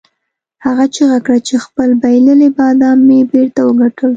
هغه چیغه کړه چې خپل بایللي بادام مې بیرته وګټل.